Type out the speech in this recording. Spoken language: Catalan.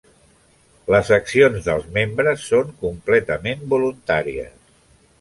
Les accions dels membres són completament voluntàries.